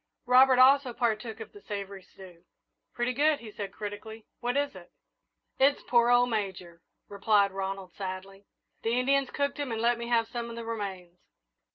Robert also partook of the savoury stew. "Pretty good," he said critically; "what is it?" "It's poor old Major," replied Ronald, sadly; "the Indians cooked him and let me have some of the remains."